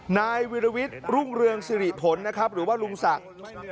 นายวิรวิทย์รุ่งเรืองสิริผลนะครับหรือว่าลุงศักดิ์